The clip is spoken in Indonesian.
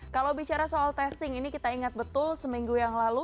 kalau bicara soal testing ini kita ingat betul seminggu yang lalu